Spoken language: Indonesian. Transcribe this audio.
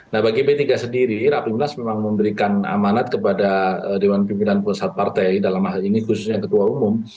nah bagi p tiga sendiri rapi minas memang memberikan amanat kepada dewan pimpinan pusat partai dalam hal ini khususnya ketua umum